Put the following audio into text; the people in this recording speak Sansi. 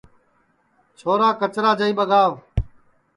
چھورا کچرا جائی ٻگاو